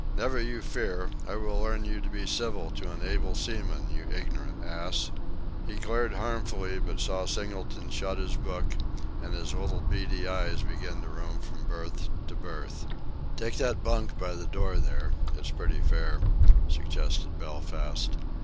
"Never you fear. I will learn you to be civil to an able seaman, you ignerant ass." He glared harmfully, but saw Singleton shut his book, and his little beady eyes began to roam from berth to berth. "Take that bunk by the door there it's pretty fair," suggested Belfast.